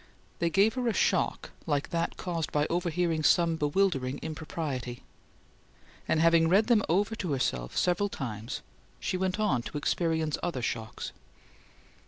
They gave her a shock like that caused by overhearing some bewildering impropriety; and, having read them over to herself several times, she went on to experience other shocks.